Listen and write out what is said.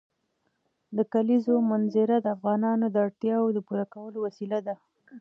د کلیزو منظره د افغانانو د اړتیاوو د پوره کولو وسیله ده.